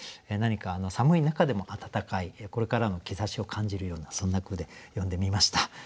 何か寒い中でも暖かいこれからの兆しを感じるようなそんな句で詠んでみました。